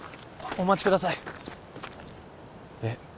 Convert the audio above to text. お待ちくださいえっ？